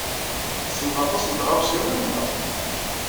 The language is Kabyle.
Tessnem aṭas n tɣawsiwin, naɣ?